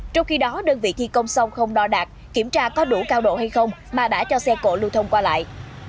trong khi đó đơn vị thi công xong không đo đạt kiểm tra có đủ cao độ hay không mà đã cho xe cộ lưu thông qua lại